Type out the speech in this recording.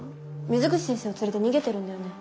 水口先生を連れて逃げてるんだよね？